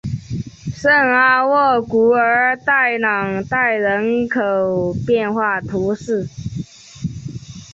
圣阿沃古尔代朗代人口变化图示